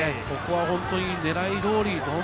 ここは本当に狙い通り。